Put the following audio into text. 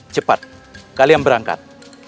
cepat kalian berangkat